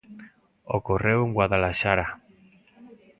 Ocorreu en Guadalaxara.